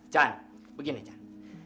jan begini jan